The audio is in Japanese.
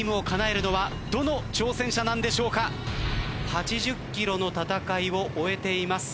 ８０ｋｍの戦いを終えています。